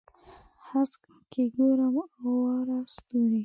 په هسک کې ګورم اواره ستوري